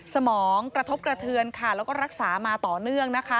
สมองกระทบกระเทือนค่ะแล้วก็รักษามาต่อเนื่องนะคะ